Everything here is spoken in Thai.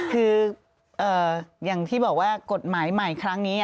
คืออย่างที่บอกว่ากฎหมายใหม่ครั้งนี้